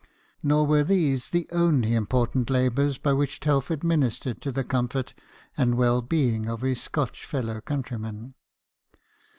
Nor were these the only important labours by which Telford ministered to the comfort and well being of his Scotch fellow countrymen.